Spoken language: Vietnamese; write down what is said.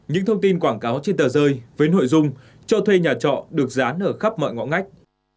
những thông tin quảng cáo trên tờ rơi với nội dung cho thuê nhà trọ được dán ở khắp mọi ngõ ngách